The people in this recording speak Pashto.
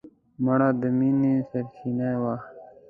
مړه د مینې سرڅینه وه